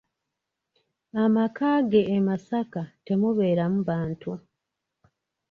Amaka ge e Masaka temubeeramu bantu.